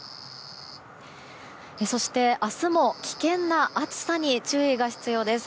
そして、明日も危険な暑さに注意が必要です。